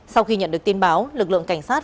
sau khi nhận được tin báo lực lượng cảnh sát